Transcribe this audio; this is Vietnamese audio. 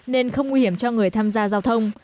nên không nguy hiểm cho người tham gia giao thông